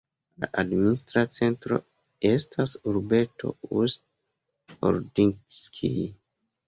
La administra centro estas urbeto Ust-Ordinskij.